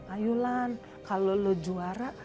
ayulan kalau lo juara